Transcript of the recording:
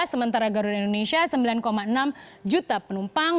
sementara garuda indonesia sembilan enam juta penumpang